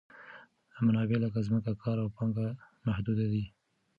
منابع لکه ځمکه، کار او پانګه محدود دي.